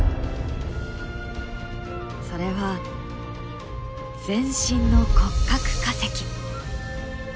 それは全身の骨格化石。